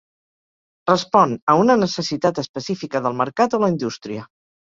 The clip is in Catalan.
Respon a una necessitat específica del mercat o la indústria.